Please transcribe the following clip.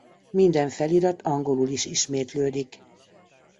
Minden felirat angolul is ismétlődik.